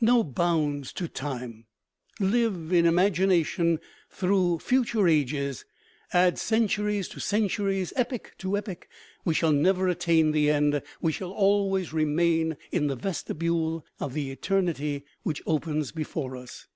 No bounds to time. Live in imagination through future ages, add centuries to centuries, epoch to epoch, we shall never attain the end, we shall always remain in the vestibule of the eternity which opens before us.